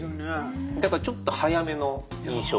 だからちょっと早めの印象かも。